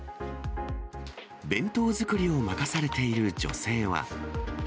弁当作りを任されている女性は。